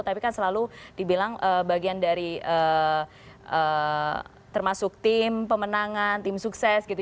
tapi kan selalu dibilang bagian dari termasuk tim pemenangan tim sukses gitu